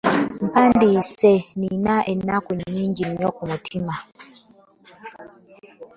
Mpandiise nnina ennaku nnyingi nnyo ku mutima.